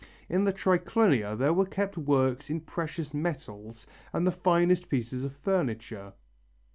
In the Triclinia there were kept works in precious metals and the finest pieces of furniture.